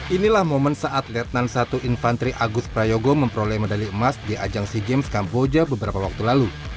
inilah momen saat letnan satu infantri agus prayogo memperoleh medali emas di ajang sea games kamboja beberapa waktu lalu